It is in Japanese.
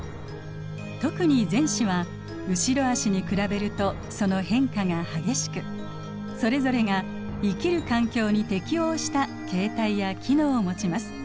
特に前肢は後ろあしに比べるとその変化が激しくそれぞれが生きる環境に適応した形態や機能をもちます。